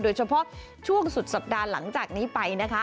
โดยเฉพาะช่วงสุดสัปดาห์หลังจากนี้ไปนะคะ